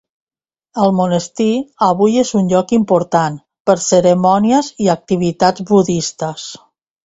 El monestir avui és un lloc important per cerimònies i activitats budistes.